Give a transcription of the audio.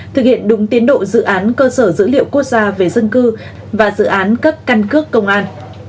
thực hiện đúng tiến độ dự án cơ sở dữ liệu quốc gia về dân cư và dự án cấp căn cước công an